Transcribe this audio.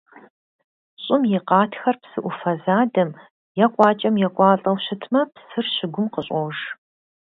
ЩӀым и къатхэр псы Ӏуфэ задэм е къуакӀэм екӀуалӀэу щытмэ, псыр щыгум къыщӀож.